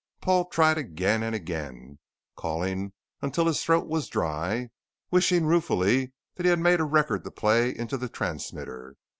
Paul tried again and again, calling until his throat was dry, wishing ruefully that he had made a record to play into the transmitter.